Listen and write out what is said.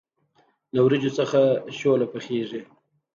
له وریجو څخه شوله پخیږي.